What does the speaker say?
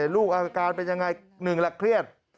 ลูกอาการเป็นยังไงหนึ่งล่ะเครียด